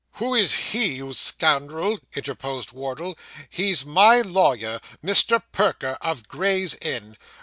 'Who is he, you scoundrel,' interposed Wardle. 'He's my lawyer, Mr. Perker, of Gray's Inn.